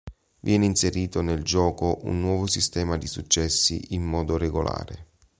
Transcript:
Viene inserito nel gioco un nuovo sistema di successi in modo regolare.